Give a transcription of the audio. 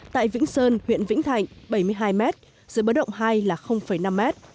tại vĩnh sơn huyện vĩnh thạnh bảy mươi hai mét giữa bớt động hai là năm mét